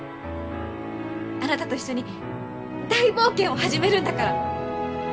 あなたと一緒に大冒険を始めるんだから！